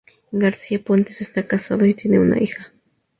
García Pontes está casado y tiene una hija.